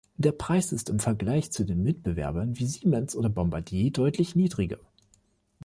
Der Preis ist im Vergleich zu den Mitbewerbern wie Siemens oder Bombardier deutlich niedriger.